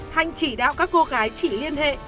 hạnh chỉ đạo các cô gái chỉ liên hệ